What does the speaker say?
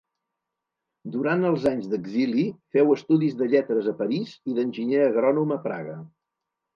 Durant els anys d'exili féu estudis de lletres a París i d'enginyer agrònom a Praga.